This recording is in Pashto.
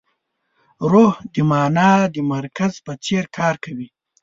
روح د مانا د مرکز په څېر کار کوي.